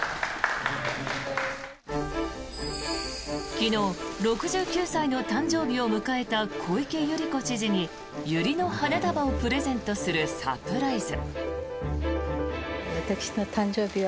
昨日、６９歳の誕生日を迎えた小池百合子知事にユリの花束をプレゼントするサプライズ。